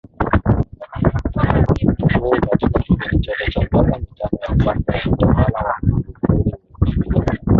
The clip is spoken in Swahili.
Mkuu katika kipindi chote cha miaka mitano ya kwanza ya utawala wa Magufuli uliokamilika